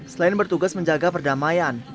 selain bertugas menjaga perdamaian